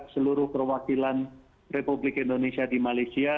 seluruh perwakilan republik indonesia di malaysia